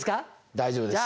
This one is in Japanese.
大丈夫です。